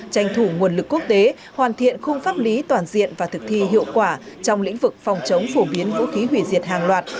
tranh thủ nguồn lực quốc tế hoàn thiện khung pháp lý toàn diện và thực thi hiệu quả trong lĩnh vực phòng chống phổ biến vũ khí hủy diệt hàng loạt